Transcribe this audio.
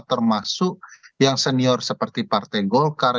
termasuk yang senior seperti partai golkar